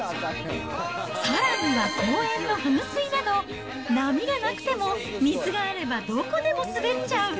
さらには公園の噴水など、波がなくても、水があればどこでも滑っちゃう。